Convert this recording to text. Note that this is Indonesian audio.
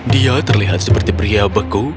dia terlihat seperti pria beku